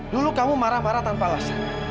dulu kamu marah marah tanpa alasan